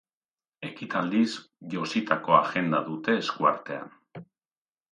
Ekitaldiz jositako agenda dute eskuartean.